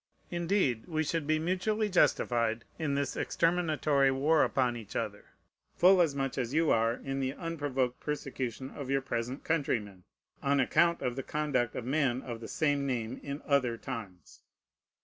Indeed, we should be mutually justified in this exterminatory war upon each other, full as much as you are in the unprovoked persecution of your present countrymen, on account of the conduct of men of the same name in other times.